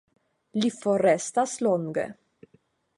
Li forrestas longe.